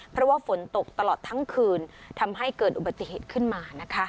เพราะว่าฝนตกตลอดทั้งคืนทำให้เกิดอุบัติเหตุขึ้นมานะคะ